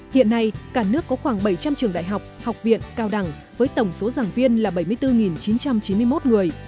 hiện nay cả nước có khoảng bảy trăm linh trường đại học học viện cao đẳng với tổng số giảng viên là bảy mươi bốn chín trăm chín mươi một người